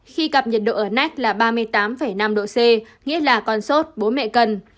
khi gặp nhiệt độ ở nách là ba mươi tám năm độ c nghĩa là con sốt bố mẹ cần